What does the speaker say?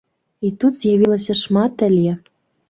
І тут з'явілася шмат але.